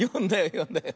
よんだよね？